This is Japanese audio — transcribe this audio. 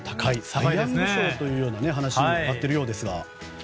サイ・ヤング賞という話も挙がっているようですが。